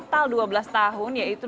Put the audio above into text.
jatian epa jayante